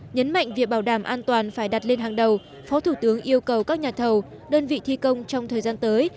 nhấn mạnh việc bảo đảm an toàn phải đặt lên hàng đầu phó thủ tướng yêu cầu các nhà thầu đơn vị thi công trong thời gian tới